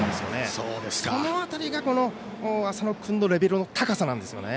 その辺りが浅野君のレベルの高さなんですよね。